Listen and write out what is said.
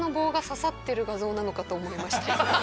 なのかと思いましたよ。